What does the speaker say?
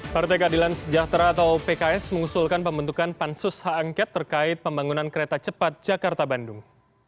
partai keadilan sejahtera atau pks mengusulkan pembentukan pansus hak angket terkait pembangunan kereta cepat jakarta bandung